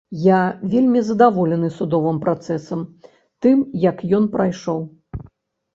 Я вельмі задаволены судовым працэсам, тым, як ён прайшоў.